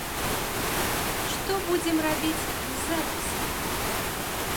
Што будзем рабіць з запісам?